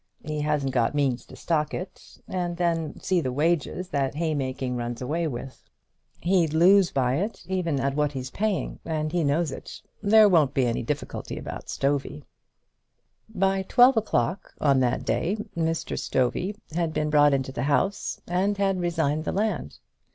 He hasn't got means to stock it, and then see the wages that hay making runs away with! He'd lose by it even at what he's paying, and he knows it. There won't be any difficulty about Stovey." By twelve o'clock on that day Mr. Stovey had been brought into the house, and had resigned the land.